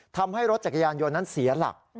ทำให้รถจักรยานยนต์นั้นเสียหลัก